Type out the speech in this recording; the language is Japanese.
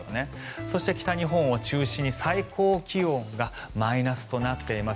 そして、北日本を中心に最高気温がマイナスとなっています。